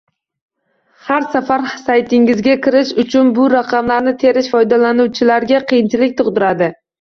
Har safar saytingizga kirish uchun bu raqamlarni terish foydalanuvchilarga qiyinchilik tug’diradi